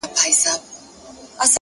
د ارادې قوت د خنډونو قد ټیټوي.!